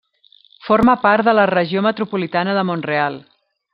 Forma part de la regió metropolitana de Mont-real.